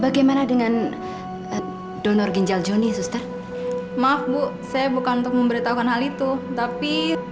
bagaimana dengan donor ginjal johnny suster maaf bu saya bukan untuk memberitahukan hal itu tapi